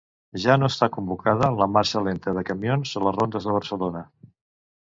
Ja no està convocada la marxa lenta de camions a les rondes de Barcelona.